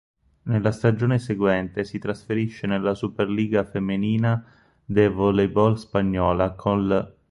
Nella stagione seguente si trasferisce nella Superliga Femenina de Voleibol spagnola con l'.